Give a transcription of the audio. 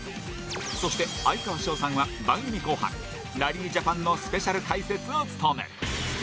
そして、哀川翔さんは番組後半ラリージャパンのスペシャル解説を務める。